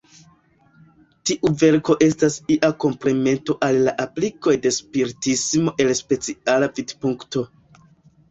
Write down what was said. Tiu verko estas ia komplemento al la aplikoj de Spiritismo el speciala vidpunkto.